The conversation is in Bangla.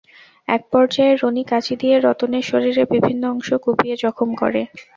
একপর্যায়ে রনি কাঁচি দিয়ে রতনের শরীরের বিভিন্ন অংশ কুপিয়ে জখম করে।